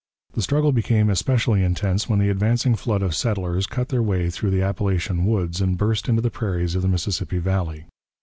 The struggle became especially intense when the advancing flood of settlers cut their way through the Appalachian woods and burst into the prairies of the Mississippi valley.